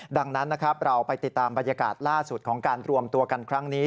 ดังนั้นนะครับเราไปติดตามบรรยากาศล่าสุดของการรวมตัวกันครั้งนี้